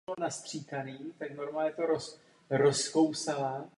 V září byla zorganizována konference o dětské chudobě.